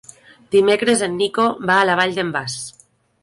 Dimecres en Nico va a la Vall d'en Bas.